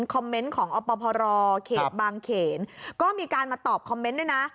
คอมเมนต์ของอพรเขตบางเขนก็มีการมาตอบคอมเมนต์ด้วยนะ